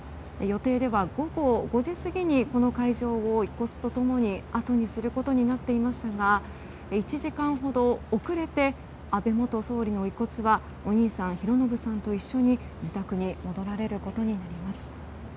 予定では午後５時過ぎにこの会場を遺骨と共に後にすることになっていましたが１時間ほど遅れて安倍元総理の遺骨はお兄さん・寛信さんと一緒に自宅に戻られることになります。